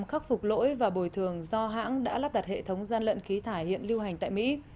khắc phục lỗi và bồi thường do hãng đã lắp đặt hệ thống gian lận khí thải hiện lưu hành tại mỹ